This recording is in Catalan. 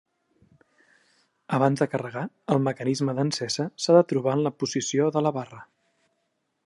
Abans de carregar, el mecanisme d'encesa s'ha de trobar el la posició de la barra.